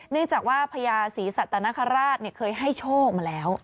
เนื่องจากว่าพญาศรีสัตนคราชเคยให้โชคมาแล้ว